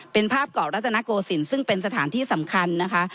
เป็นภาพเกาะรัตนโกศิลป์ซึ่งเป็นสถานที่สำคัญนะคะ